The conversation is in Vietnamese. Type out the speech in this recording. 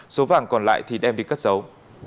số vàng còn lại thì đem đi cất giấu